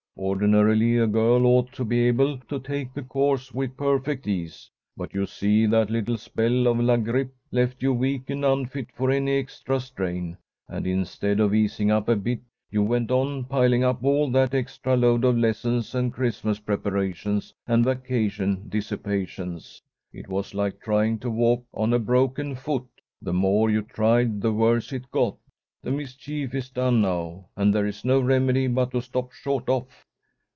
Ordinarily a girl ought to be able to take the course with perfect ease. But you see that little spell of la grippe left you weak and unfit for any extra strain, and, instead of easing up a bit, you went on piling on all that extra load of lessons and Christmas preparations and vacation dissipations. It was like trying to walk on a broken foot. The more you tried, the worse it got. The mischief is done now, and there is no remedy but to stop short off."